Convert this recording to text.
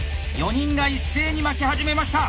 ４人が一斉に巻き始めました。